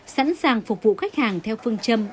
sẵn sàng phục vụ khách hàng theo phương châm